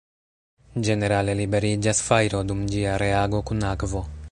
Ĝenerale liberiĝas fajro dum ĝia reago kun akvo.